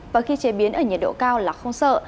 và khi chế biến ở nhiệt độ cao là không sợ